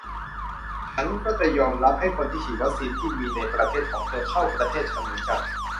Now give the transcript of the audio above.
ฉันก็จะยอมรับ ให้คนที่ฉีดวัคซีนที่มีในประเทศของเธอ เข้าประเทศฉันเหมือนกัน